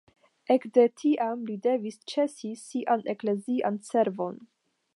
Ekde tiam li devis ĉesi sian eklezian servon.